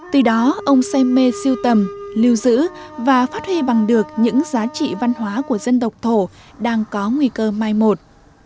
từ đó ông say mê siêu tầm lưu giữ và phát huy bằng được những giá trị văn hóa của dân độc thổ đang có nguy cơ mai một